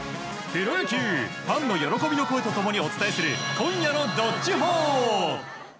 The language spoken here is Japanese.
プロ野球ファンの喜びの声と共にお伝えする今夜の「＃どっちほー」。